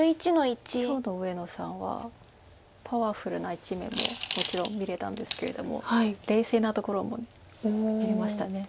今日の上野さんはパワフルな一面ももちろん見れたんですけれども冷静なところも見れましたね。